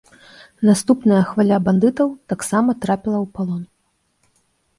Наступная хваля бандытаў таксама трапіла ў палон.